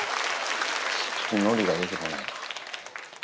ちょっとのりが出てこないな。